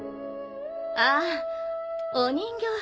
あぁお人形！